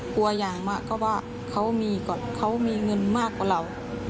กลัวอย่างมากก็ว่าเขามีเงินมากกว่าเรา